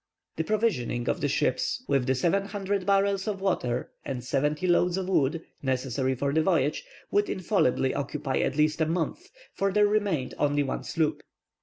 The provisioning of the ships with the seven hundred barrels of water, and seventy loads of wood, necessary for the voyage, would infallibly occupy at least a month, for there remained only one sloop.